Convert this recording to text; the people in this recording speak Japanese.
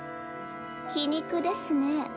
皮肉ですね。